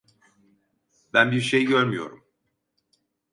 Ben bir şey görmüyorum.